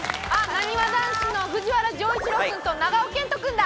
なにわ男子の藤原丈一郎君と長尾謙杜君だ！